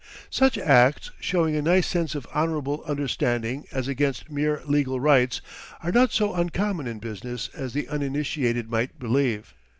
Such acts, showing a nice sense of honorable understanding as against mere legal rights, are not so uncommon in business as the uninitiated might believe.